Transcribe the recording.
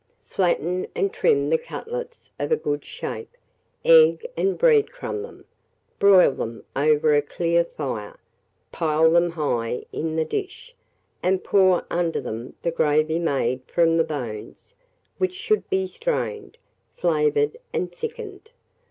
Flatten and trim the cutlets of a good shape, egg and bread crumb them, broil them over a clear fire, pile them high in the dish, and pour under them the gravy made from the bones, which should be strained, flavoured, and thickened.